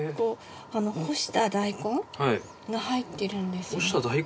干した大根が入ってるんですよ。